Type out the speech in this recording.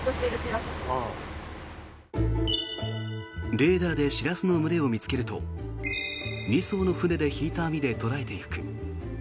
レーダーでシラスの群れを見つけると２艘の船で引いた網で捕らえていく。